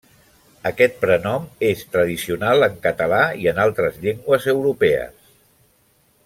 Aquest prenom és tradicional en català i en altres llengües europees.